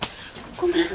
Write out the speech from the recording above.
ごめん。